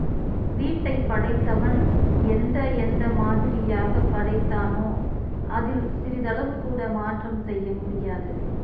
வீட்டைப் படைத்தவன் எந்த எந்த மாதிரியாகப் படைத்தானோ அதில் சிறிதளவுகூட மாற்றம் செய்ய முடியாது.